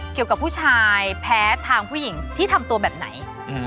เกี่ยวกับผู้ชายแพ้ทางผู้หญิงที่ทำตัวแบบไหน